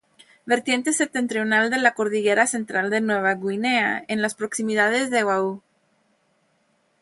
Vertiente septentrional de la Cordillera Central de Nueva Guinea, en las proximidades de Wau.